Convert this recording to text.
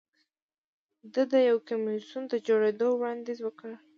ده د یو کمېسیون د جوړېدو وړاندیز وکړ.